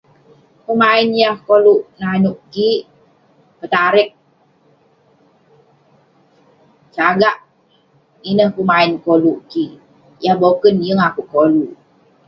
Pemain yah koluk nanouk kik ; petareg, sagak. Ineh pemain koluk kik, yah boken yeng akouk koluk.